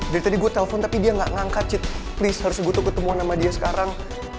dari tadi gue telfon tapi dia gak ngangkat cit please harus gue tuker temuan sama dia sekarang